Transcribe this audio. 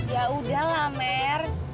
ya udahlah mer